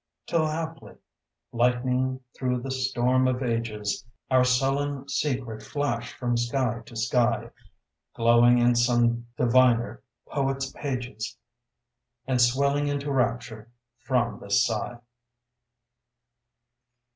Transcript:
Till haply, lightning through the storm of ages, Our sullen secret flash from sky to sky, Glowing in some diviner poet's pages And swelling into rapture from this sigh.